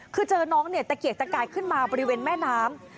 คือเจอน้องเนี่ยตะเกียกตะกายขึ้นมาบริเวณแม่น้ำ